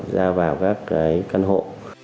ra vào các căn hộ